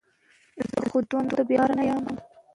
که مورنۍ ژبه وي نو زده کړه آسانه کیږي.